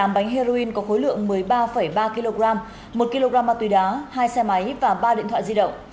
một mươi bánh heroin có khối lượng một mươi ba ba kg một kg ma túy đá hai xe máy và ba điện thoại di động